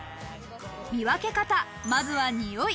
見分け方、まずはにおい。